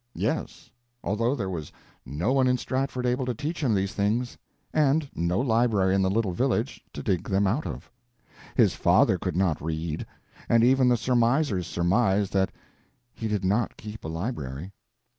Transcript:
Yes, although there was no one in Stratford able to teach him these things, and no library in the little village to dig them out of. His father could not read, and even the surmisers surmise that he did not keep a library.